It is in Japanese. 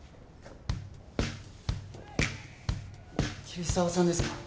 桐沢さんですか？